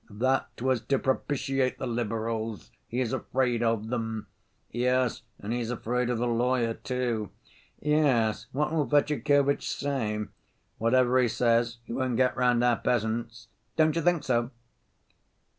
"That was to propitiate the liberals. He is afraid of them." "Yes, and he is afraid of the lawyer, too." "Yes, what will Fetyukovitch say?" "Whatever he says, he won't get round our peasants." "Don't you think so?"